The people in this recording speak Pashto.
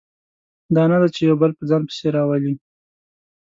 دا نه ده چې یو بل په ځان پسې راولي.